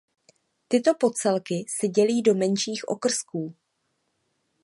Tyto podcelky se dělí do menších okrsků.